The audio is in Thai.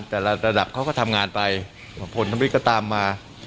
แต่ละระดับเขาก็ทำงานไปผลทำให้ก็ตามมา